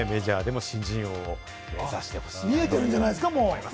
メジャーでも新人王を目指してほしい。